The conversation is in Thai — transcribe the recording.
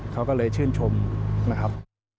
เขาก็เลยชื่นชมนะครับ